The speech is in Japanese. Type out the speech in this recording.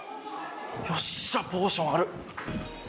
よっしゃポーションある。